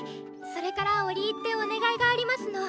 それから折り入ってお願いがありますの！